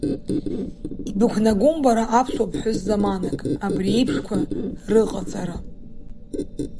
Ибықәнагом бара аԥсуа ԥҳәыс заманак абри еиԥшқәа рыҟаҵара.